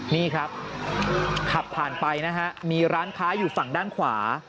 นี่ครับขับผ่านไปนะฮะมีร้านค้าอยู่ฝั่งด้านขวา